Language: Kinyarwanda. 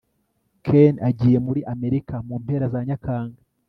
ken agiye muri amerika mu mpera za nyakanga